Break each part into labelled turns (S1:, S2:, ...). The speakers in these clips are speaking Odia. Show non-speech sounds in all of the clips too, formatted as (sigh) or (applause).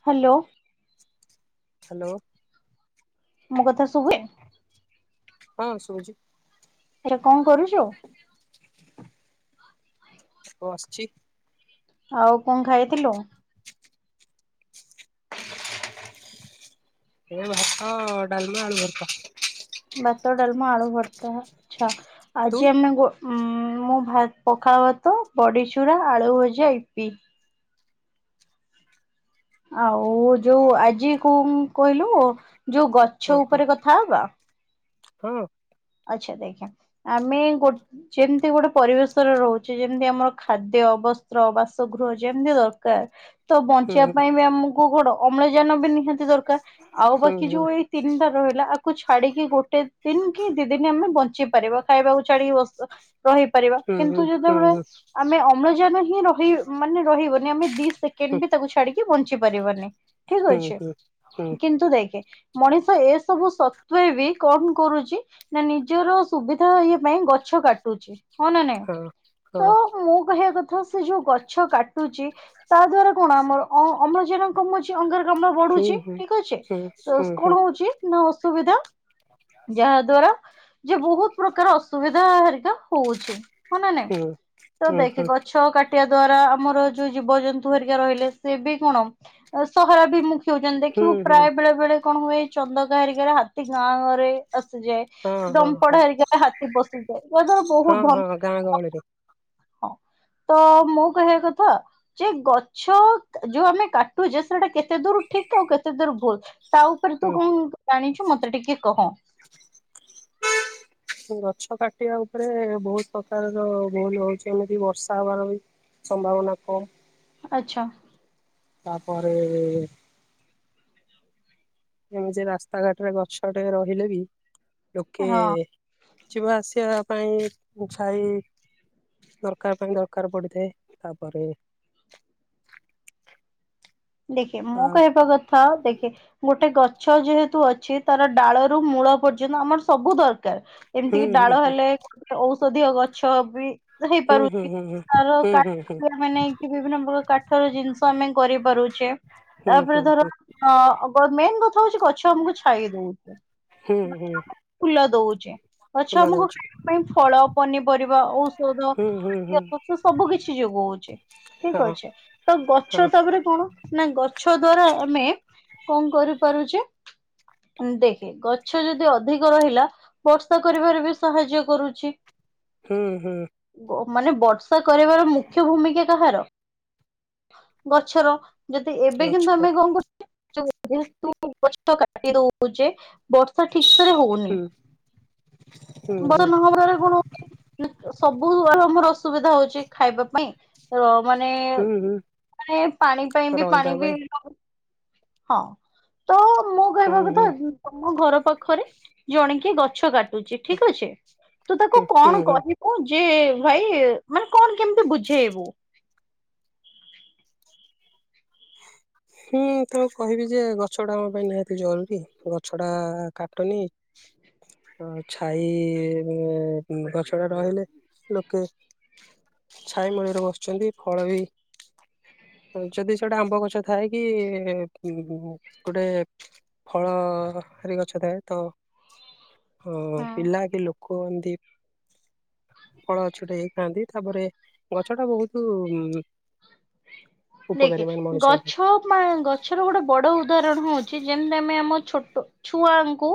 S1: ହ୍ୟାଲୋ।
S2: ହ୍ୟାଲୋ
S1: ମୋ କଥା ଶୁଭେ
S2: ହଁ ଶୁଭୁଛି
S1: ଏରେ କଣ କରୁଛ?
S2: ବସଚି।
S1: ଆଉ କଣ ଖାଇଥିଲୁ?
S2: ଏ ଭାତ ଡାଲମା ଆଳୁ ଭର୍ତ୍ତା।
S1: ବାତ ଡାଲମା ଆଳୁ ଭରତା ଆଚ୍ଛା
S2: ତୁ
S1: ଆଜି ଆମେ ଗୋ ମୁଁ ଭା ପଖାଳ ଭାତ ବଡ଼ିଚୂୁରା ଆଳୁ ଭଜା ଇପି ଆଉ ଯୋଉ ଆଜି କୁଁ କହିଲୁ ଯୋଉ
S2: ହଁ
S1: ଗଛ
S2: କହ
S1: ଉପରେ କଥା ହବା?
S2: ହଁ।
S1: ଆଚ୍ଛା ଦେଖେ ଆମେ ଗୋ ଯେମିତି ଗୋଟେ ପରିବେଶରେ ରହୁଛି ଯେମିତି ଆମର ଖାଦ୍ୟ ବସ୍ତ୍ର ବାସଗୃହ ଯେମିତି ଦର କାର୍ ତ
S2: ହୁଁ
S1: ବଞ୍ଚିବା ପାଇଁ ବି ଆମକୁ ଘଡ଼ ଅମ୍ଳଜାନ ବି ନିହାତି ଦରକାର ଆଉ
S2: ହୁଁ
S1: ବାକି
S2: ହୁଁ
S1: ଯୋଉ ଏଇ ତିନିଟା ରହିଲା ଆକୁ ଛାଡ଼ିକି ଗୋଟେ ଦିନ୍ କି ଦି ଦିନି ଆମେ ବଞ୍ଚିପାରିବା ଖାଇବାକୁ ଛଡ଼ିକି ବସ ରହି ପାରିବା
S2: ହୁଁ
S1: କିନ୍ତୁ
S2: ହୁଁ
S1: ଯେତେବେଳେ
S2: ହୁଁ
S1: ଆମେ ଅ ଅମ୍ଳଜାନ ହିଁ ରହି ମାନେ ରହିବନି ଆମେ ଦି ସେକେଣ୍ଡ
S2: ହୁଁ
S1: ବି ତାକୁ ଛାଡ଼ିକି ବଞ୍ଚି ପାରିବନି। ଠିକ୍
S2: ହୁଁ
S1: ଅଛି
S2: ହୁଁ ହୁଁ
S1: କିନ୍ତୁ ଦେଖେ ମଣିଷ ଏ ସବୁ ସତ୍ଵେ ବି କଣ କରୁଛି? ନା ନିଜର ସୁବିଧା ଇଏ ପାଇଁ ଗଛ କାଟୁଛି ହଁ ନା ନାଇଁ
S2: ହଁ
S1: ତ ମୁଁ କହିବା କ ହଁ ସେ ଯୋଉ ଗଛ କାଟୁଛି ତା ଦ୍ଵାରା କଣ ଆମର ଅ ଅମ୍ଲଜାନ କମୁ ଛି ଅଙ୍ଗାରକାମ୍ଳ
S2: ହୁଁ
S1: ବଢ଼ୁଛି
S2: ହୁଁ
S1: ଠିକ୍ ଅଛି
S2: ହୁଁ
S1: କଣ
S2: ହୁଁ
S1: ହଉଛି ନା ଅସୁବିଧା ଯାହା ଦ୍ଵାରା ଯ ବହୁତ ପ୍ରକାର ଅସୁବିଧା ହେରିକା ହଉଛି। ହ ନା ନାଇଁ
S2: ହୁଁ
S1: ତ
S2: ହୁଁ
S1: ଦେଖେ
S2: ହୁଁ
S1: ଗଛ କା ଟିବା ଦ୍ଵାରା ଆମର ଯୋଉ ଜୀବଜନ୍ତୁ ହେରିକା ରହିଲେ ସେ ବି କଣ ସହରା ବିମୁ ଖି ହଉଛନ୍ତି
S2: ହୁଁ
S1: ଦେଖିବୁ
S2: ହୁଁ ହୁଁ
S1: ପ୍ରାୟ ବେଳେ ବେଳେ କଣ ହୁଏ ଚନ୍ଦକା ହେରିକାରେ ହାତୀ ଗାଁ ଗରେ ଯାଏ
S2: ହଁ ହଁ ହଁ
S1: ଡମ୍ପଡ଼ ହେରିକା ହାତୀ ପସିଯାଏ ଆ ଦ୍ଵାରା ବହୁତ
S2: ହଁ
S1: ଧ
S2: ହଁ ଗାଁ ଗହଳିରେ
S1: ହଁ ତ ମୁଁ କହିବା କଥା ଯେ ଗଛ ଯୋଉ ଆମେ କାଟୁଛେ ସେଟା କେତେ ଦୂର ଠିକ ଆଉ କେତେ ଦୂର ଭୁଲ? ତା ଉପରେ ତୁ
S2: ହୁଁ
S1: କଣ ଜାଣିଛୁ ମତେ ଟିକେ କହ?
S2: ଗଛ କାଟିବା ଉପରେ ବହୁତ ପ୍ରକାରର ଭୁଲ ହଉଛି ଏମିତି ବର୍ଷା ହବାର ବି ସମ୍ଭାବନା କମ୍
S1: ଆଚ୍ଛା।
S2: ତାପରେ ଆମେ ଯେ ରାସ୍ତାଘାଟରେ ଗଛଟେ ରହିଲେ ବି ଲୋକେ
S1: ହଁ।
S2: ଯିବା ଆସିବା ପାଇଁ ଛାଇ ଦରକାର ପାଇଁ ଦରକାର ପଡିଥାଏ ତାପରେ
S1: ଦେଖେ
S2: ଆ
S1: ମୁଁ କହିବା କଥା ଦେଖେ ଗୋଟେ ଗଛ ଯେହେତୁ ଅଛି ତାର ଡାଳରୁ ମୂଳ ପର୍ଯ୍ୟନ୍ତ ଆମର ସବୁ ଦରକାର କାର
S2: ହୁଁ
S1: ଏମିତିକି
S2: ହୁଁ
S1: ଡାଳ ହେଲେ ଔଷଧୀୟ ଗଛ ବି
S2: ହୁଁ ହୁଁ
S1: ହେଇପାରୁଛି ତାର
S2: ହୁଁ ହୁଁ ହୁଁ
S1: କାଠ ଆମେ ନେଇକି ବିଭିନ୍ନ ପ୍ରକାର କାଠର ଜିନିଷ ଆମେ କରିପାରୁଚୁ।
S2: ହୁଁ
S1: ତାପରେ
S2: ହୁଁ
S1: ଧର ମେନ୍ କଥା ହଉଛି ଗଛ ଆମକୁ ଛାଇ ଦଉଛି।
S2: ହୁଁଁ
S1: ଗଛ
S2: ହୁଁ।
S1: ଆମକୁ ଫୁଲ ଦଉଛି ଗଛ
S2: ଫୁଲ
S1: ଆମକୁ
S2: ଦଉଛି
S1: ଖାଇବା ପାଇଁ ଫଳ ପନିପରିବା ଔଷଧ
S2: ହୁଁ ହୁଁ ହୁଁ
S1: ସବୁ କିଛି ଯୋଗଉଛି ଠିକ
S2: ହଁ
S1: ଅଛେ ତ
S2: ହଁ
S1: ଗଛ ତାପରେ କଣ ନା ଗଛ ଦ୍ଵାରା ଆମେ କଣ କରିପାରୁଛେ ଦେଖେ ଗଛ ଯଦି ଅଧିକ ରହିଲା ବର୍ଷା କରିବାରେ ବି ସାହାଯ୍ୟ କରୁଛି।
S2: ହୁଁ ହୁଁ।
S1: ମାନେ ବର୍ଷା କରବାର ମୁଖ୍ୟ ଭୂମିକା କାହାର ଗଛର ଯଦି ଏବେ କିନ୍ତୁ
S2: ଗଛର
S1: ଆମେ କଣ କରୁଛ ଜେହେ ତୁ ଗଛ କାଟି ଦଉଚେ ବର୍ଷା ଠିକ ସେରେ ହଉନି
S2: ହୁଁ ହୁଁ ହୁଁ
S1: ବର୍ଷ ନହବର୍ କଣ ସବୁ ଆ ଆମର ଅସୁବିଧା ହଉଛି ଖାଇବା ପାଇଁ ର ମାନେ
S2: ହୁଁ ହୁଁ
S1: ପାଣି ପାଇଁ ବି ପାଣି
S2: ରହିବା
S1: ବି
S2: ପାଇଁ
S1: ହଁ। ତ ମୁଁ
S2: ହୁଁ
S1: କହିବାକଥା
S2: ହୁଁ
S1: ତମ ଘର ପାଖରେ ଜଣେ କିି ଗଛ କାଟ ଛି ଠିକ ଅଛି ତୁ ତାକୁ
S2: ହୁଁ ହୁଁ
S1: କଣ
S2: ହୁଁ
S1: କହିବୁ କୋ ଯେ ଭାଇ ମାନେ କଣ କେମିତି ବୁଝେଇବୁ।
S2: ହୁଁ ତାକୁ କହିବି ଯେ ଗଛ ଟା ଆମ ପାଇଁ ନିହାତି ଜରୁରୀ ଗଛ ଟା କାଟନି
S1: (inaudible)
S2: ଆଉ ଛାଇ ଗଛ ଟା ରହିଲେ ଲୋକେ ଛାଇ ମୂଳରେ ବସୁଛନ୍ତି ଫଳ ବି ଯଦି ଖାଉଛନ୍ତି ସେଟା ଆମ୍ବ ଗଛ ଥାଏ କି ଗୋଟେ ଫଳ ଖାଲି ଗଛ ଦେହରେ ଥାଉ ଓ ପିଲା କି ଲୋକ କୁ ଅନ୍ଦୀପ ଫଳ ଗଛୁଟେ ହେଇଥାଆନ୍ତି ତାପରେ ଗଛ ଟା ବହୁତ
S1: (inaudible)
S2: ଉପକାରୀ
S1: ଦେଖେ
S2: ମାନେ ମଣିଷଙ୍କ ପାଇଁ।
S1: ଗଛମା ଗଛର ଗୋଟେ ବଡ ଉଦାହରଣ ହଉଛି ଯେମିତି ଆମେ ଆମ ଛୋଟ ଛୁଆଙ୍କୁ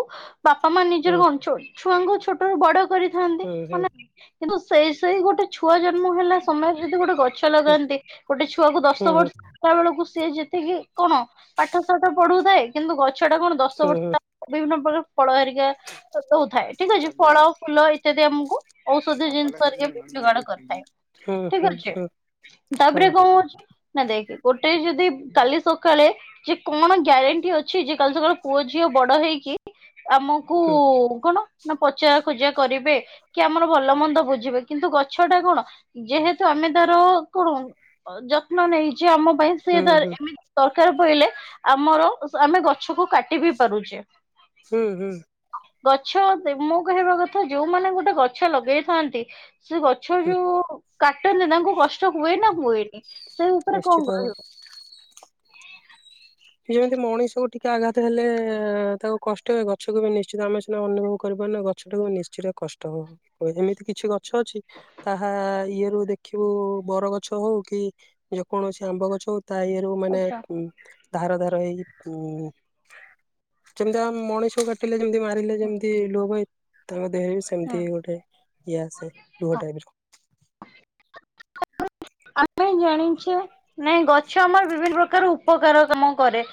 S1: ବାପା ମା
S2: ହୁଁ
S1: ନିଜର ହୁ ଅ ଛୁଆଙ୍କୁ ଛୋଟ ବଡ କରିଥାନ୍ତି
S2: ହୁଁ
S1: ମାନେ
S2: ହୁଁ
S1: କିନ୍ତୁ ସେଇ ସେଇ ଗୋଟେ ଛୁଆ ଜନ୍ମ ହେଲା ସମୟରେ ଯଦି ଗୋଟେ ଗଛ ଲଗାନ୍ତି ଗୋଟେ ଛୁଆକୁ ଦଶ
S2: ହୁଁ
S1: ଗୁଆ ବେଳକୁ ସିଏ ଯେତିକି କଣ ପାଠ ସାଠ ପଢୁଥାଏ କିନ୍ତୁ ଗଛ ଟା କଣ ଦଶ
S2: ହୁଁ
S1: ବର୍ଷ ବିଭିନ୍ନ ପ୍ରକାର ଫଳ ହେରିକା ଦଉଥାଏ ଠିକ ଅଛି ଫଳ ଫୁଲ ଇତ୍ୟାଦି ଆମକୁ ଔଷଧ ଜିନିଷରେ ଏବେ ଯୋଗାଡ କରିଥାଏ
S2: ହୁଁ ହୁଁ ହୁଁ ହୁଁ
S1: ଠିକ ଅଛି
S2: ହୁଁ ହଁ
S1: ତାପରେ କଣ ହଉଛି ନା ଦେଖେ ଗୋଟେ ଯଦି କାଲି ସକାଳେ ଯେ କଣ ଗ୍ୟାରେଣ୍ଟି ଅଛି ଯେ କାଲି ସକାଳେ ପୁଅ ଝିଅ ବଡ ହେଇକି ଆମକୁ
S2: ହୁଁ
S1: କଣ ନା ପଚାର ଖୋଜା କରିବେ କି ଆମର ଭଲ ମନ୍ଦ ବୁଝିବେ କିନ୍ତୁ ଗଛ ଟା କଣ ଯେହେତୁ ଆମେ ତାର କଣ ଯତ୍ନ ନେଇଛେ ଆମ ପାଇଁ ସି
S2: ହୁଁ ହୁଁ
S1: ତାଏମିତି ତରକାର ପଇଲେ ଆମର ଆମେ ଗଛକୁ କାଟି ବି ପାରୁଛେ
S2: ହୁଁ ହୁଁ।
S1: ଗଛ ମୁଁ କହିବା କଥା ଯୋଉମାନେ ଗୋଟେ ଗଛ ଲଗେଇଥାନ୍ତି ସେ ଗଛ
S2: ହୁଁ
S1: ଯୋଉ କାଟନ୍ତି ତାଙ୍କୁ କଷ୍ଟ ହୁଏ ନା ହୁଏନି ସେଇ ଉପରେ କଅଁ
S2: ନିଶ୍ଚିତ ଭାବରେ।
S1: କରିବ?
S2: ଯେମିତି ମଣିଷକୁ ଟିକେ ଆଘାତ ହେଲେ ତାକୁ କଷ୍ଟ ହଏ ଗଛକୁ ବି ନିଶ୍ଚିତ ଆମେ ସିନା ଅନୁଭବ କରିପାରୁ ଗ ଗଛଟାକୁ ନିଶ୍ଚୟ କଷ୍ଟ ହବ ଏମିତି କିଛି ଗଛ ଅଛି ତାହା ଇଏରୁୁ ଦେଖିବୁ ବର ଗଛ ହଉ କି ଯେକୌଣସି ଆମ୍ବ ଗଛ ହଉ ତା ଇଏ ଯୋଉ ମାନେ
S1: ଆଚ୍ଛା
S2: ଧାର ଧାର ହେଇ ଉ ଯେମିତି ଆ ମଣିଷ କା ପିଲେ ଯେମିତି ମାରିଲେ
S1: ହୁଁ
S2: ଯେମିତି ଲୋଭ ହୁଏ ତାଙ୍କ ଦେହ ବି
S1: ହୁଁ
S2: ସେମିତି ଗୋଟେ ଏଆାସେ ଦୁହଟା ବିର
S1: ଆମେ ଜାଣିଛେ ନାଇଁ ଗଛ ଆମର ବିଭିନ୍ନ ପ୍ରକାର ଉପକାର କାମ କରେ।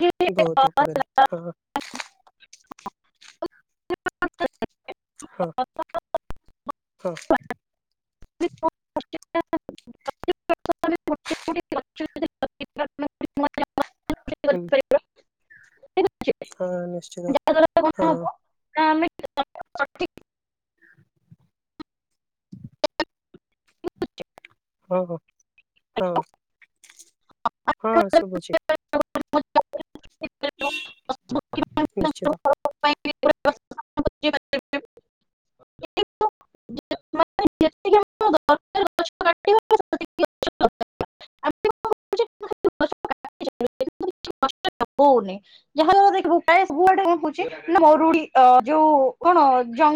S1: କି ଅ,
S2: ବହୁତ ଉପକାରୀ ହଁ। ହଁ ହଁ। ହୁଁ
S1: ହେଲା,
S2: ହଁ ନିଶ୍ଚିତ
S1: ଯାହାଦ୍ୱାରା
S2: ହଁ।
S1: କଣ ହବ ନା ଆମେ ସଠିକ
S2: ହଁ ହୋ ହଁ।
S1: ଯେତିକି
S2: ହଁ ଶୁଭୁଛି। ନିଶ୍ଚିତ।
S1: ଆମ ଦରକାର ଗଛ କାଟିବା ସେତିକି ଗଛ ଦରକାର। ଆମେ କଣ କରୁଛେ ନା ଖାଲି ଗଛ କାଟି ଚାଲୁଛେ ଯାହା ଦ୍ଵାରା ଦେଖିବୁାୟ ସବୁଆଡେ କଣ ହଉଛି ନା ମରୁଡି ଅ ଯୋଉ କଣ ଜଙ୍ଗ